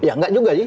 ya enggak juga sih